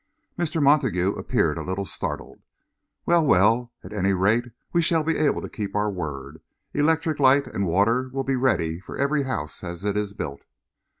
Mr. Montague appeared a little startled. "Well, well! At any rate we shall be able to keep our word. Electric light and water will be ready for every house as it is built."